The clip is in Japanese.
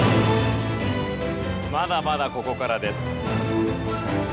まだまだここからです。